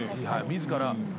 自ら。